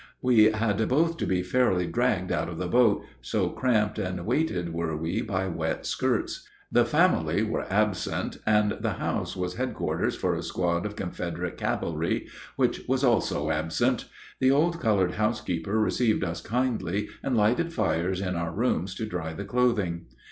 We had both to be fairly dragged out of the boat, so cramped and weighted were we by wet skirts. The family were absent, and the house was headquarters for a squad of Confederate cavalry, which was also absent. The old colored housekeeper received us kindly, and lighted fires in our rooms to dry the clothing.